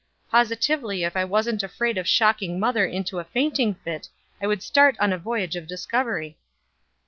Positively if I wasn't afraid of shocking mother into a fainting fit I would start on a voyage of discovery."